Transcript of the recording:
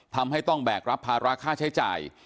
ทำให้ต้องแบกรับภาระค่าใช้จ่าย